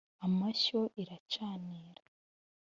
Amashyo iracanira